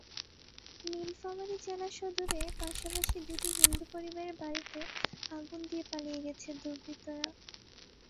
নীলফামারী জেলা সদরে পাশাপাশি দুটি হিন্দু পরিবারের বাড়িতে আগুন দিয়ে পালিয়ে গেছে দুর্বৃত্তরা।